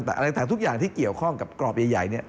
แต่อะไรต่างทุกอย่างที่เกี่ยวข้องกับกรอบใหญ่เนี่ย